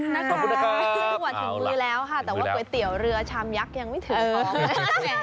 ตีแล้วค่ะแต่ว่าก๋วยเตี๋ยวเรือชามยักษ์ยังไม่ถือท้อง